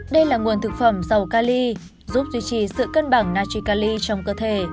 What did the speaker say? đây là nguồn thực phẩm giàu cali giúp duy trì sự cân bằng natricali trong cơ thể